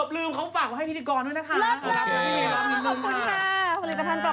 โอเคขอบคุณค่ะผลิตภัณฑ์ปรอกผ้านุ่มเราใช้อยู่ที่บ้านเรา